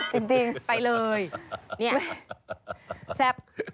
จริงไปเลยเนี่ยแซ่บ